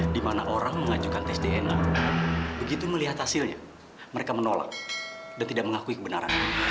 di mana orang mengajukan tes dna begitu melihat hasilnya mereka menolak dan tidak mengakui kebenaran